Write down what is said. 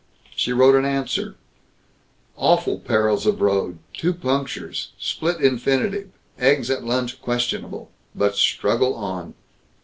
She wrote in answer: "Awful perils of road, two punctures, split infinitive, eggs at lunch questionable, but struggle on."